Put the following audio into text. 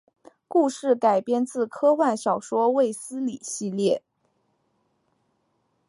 故事改编自科幻小说卫斯理系列。